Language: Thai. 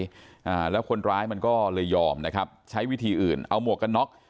อ่าแล้วคนร้ายมันก็เลยยอมนะครับใช้วิธีอื่นเอาหมวกกันน็อก